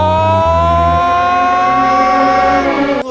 ร้องได้ให้ร้าง